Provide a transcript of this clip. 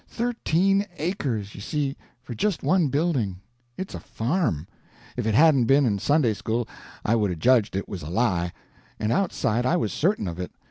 Thirteen acres, you see, for just one building; it's a farm. If it hadn't been in Sunday school, I would 'a' judged it was a lie; and outside I was certain of it.